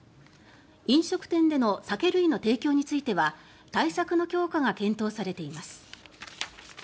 飲食店での酒類の提供については対策の強化が検討されています。